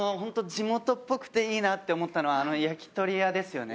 地元っぽくていいなって思ったのはあの焼き鳥屋ですよね。